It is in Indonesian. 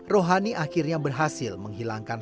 rohani akhirnya berhasil menghilangkan